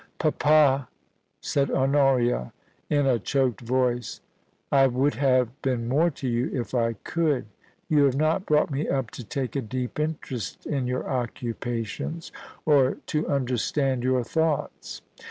138 POLICY AND PASSION. * Papa,' said Honoria, in a choked voice, * I would have been more to you if I could. You have not brought me up to take a deep interest in your occupations, or to understand your thoughts.'